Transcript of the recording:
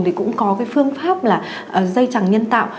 thì cũng có phương pháp dây chẳng nhân tạo